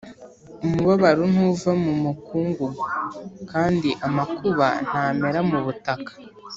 umubabaro ntuva mu mukungugu, kandi amakuba ntamera mu butaka